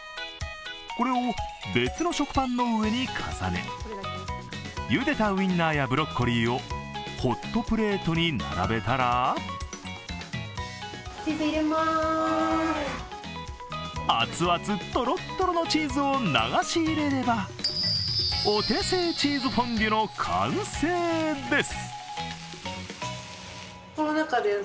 これを別の食パンの上に重ね、ゆでたウインナーやブロッコリーをホットプレートに並べたら熱々とろっとろのチーズを流し入れればお手製チーズフォンデュの完成です。